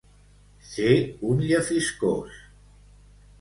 Ser un llefiscós.